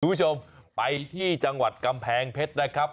คุณผู้ชมไปที่จังหวัดกำแพงเพชรนะครับ